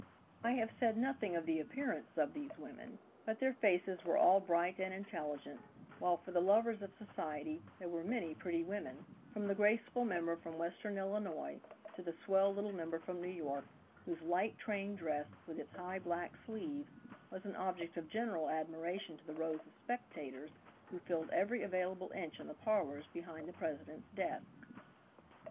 I have said nothing of the appearance of these women, but their faces were all bright and intelligent, while, for the lovers of society, there were many pretty women, from the graceful member from western Illinois, to the swell little member from New York, whose light trained dress, with its high, black sleeves, was an object of general admiration to the rows of spectators who filled every available inch in the parlors behind the President's desk.